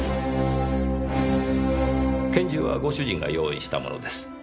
拳銃はご主人が用意したものです。